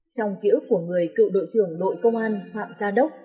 trong ký ức của người cựu đội trưởng lội công an phạm gia đốc